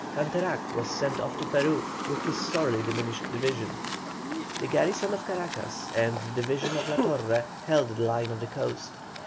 Canterac was sent off to Peru with his sorely diminished division. The garrison of Caracas and the division of La Torre held the line of the coast.